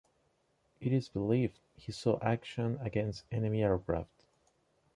It is believed he saw action against enemy aircraft.